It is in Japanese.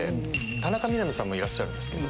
田中みな実さんもいらっしゃるんですけど。